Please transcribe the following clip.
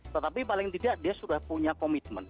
tetapi paling tidak dia sudah punya komitmen